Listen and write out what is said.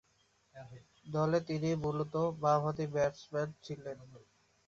দলে তিনি মূলতঃ বামহাতি ব্যাটসম্যান ছিলেন।